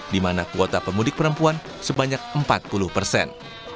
di mana kuota pemudik perempuan sebanyak empat puluh persen